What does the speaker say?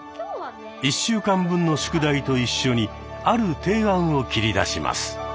１週間分の宿題と一緒にある提案を切り出します。